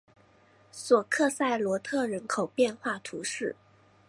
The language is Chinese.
索克塞罗特人口变化图示